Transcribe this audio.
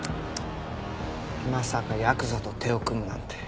まさかヤクザと手を組むなんて。